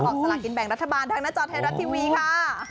สลากินแบ่งรัฐบาลทางหน้าจอไทยรัฐทีวีค่ะ